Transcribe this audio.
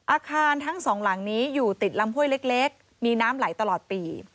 อาคารทั้งสองหลังนี้อยู่ติดลำห้วยเล็กมีน้ำไหลตลอดปี